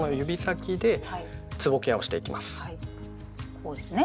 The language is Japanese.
こうですね。